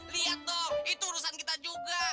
lihat dong itu urusan kita juga